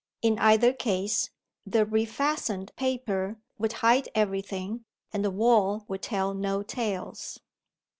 In either case, the refastened paper would hide every thing, and the wall would tell no tales.